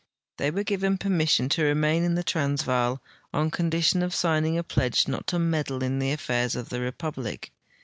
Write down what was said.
They Avere given permission to re main in the Transvaal on condition of signing a pledge not to meddle in the affairs of the republic.